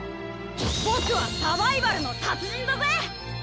僕はサバイバルの達人だぜ！